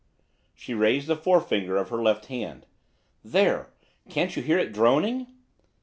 She raised the forefinger of her left hand. 'There! Can't you hear it droning?